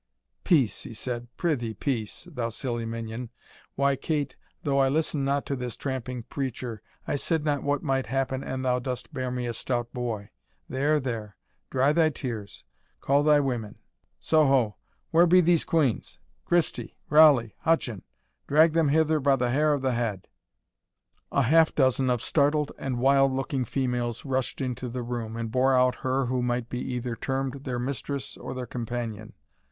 "Peace," he said, "prithee, peace, thou silly minion why, Kate, though I listen not to this tramping preacher, I said not what might happen an thou dost bear me a stout boy. There there dry thy tears Call thy women. So ho! where be these queans? Christie Rowley Hutcheon drag them hither by the hair of the head!" A half dozen of startled wild looking females rushed into the room, and bore out her who might be either termed their mistress or their companion.